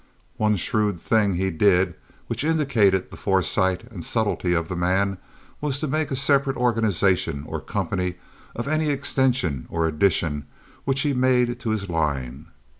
One shrewd thing he did, which indicated the foresight and subtlety of the man, was to make a separate organization or company of any extension or addition which he made to his line.